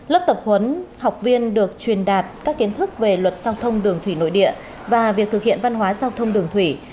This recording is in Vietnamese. lớp tập huấn học viên được truyền đạt các kiến thức về luật giao thông đường thủy nội địa và việc thực hiện văn hóa giao thông đường thủy